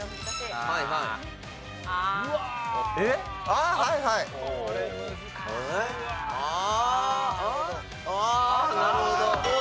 ああああなるほど。